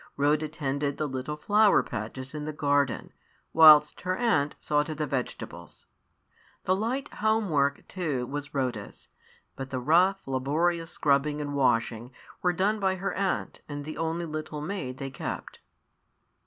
Rhoda tended the little flower patches in the garden, whilst her aunt saw to the vegetables. The light home work, too, was Rhoda's; but the rough, laborious scrubbing and washing were done by her aunt and the only little maid they kept.